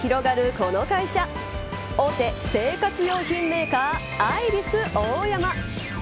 この会社大手生活用品メーカーアイリスオーヤマ。